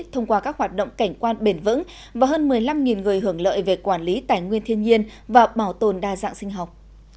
thông qua các hoạt động cảnh quan bền vững và hơn một mươi năm người hưởng lợi về quản lý tài nguyên thiên nhiên và bảo tồn đa dạng sinh học